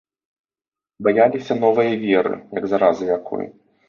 Баяліся новае веры, як заразы якой.